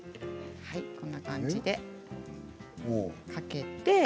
こんな感じでかけて。